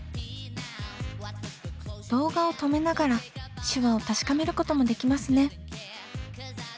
動画を止めながら手話を確かめることもできますね。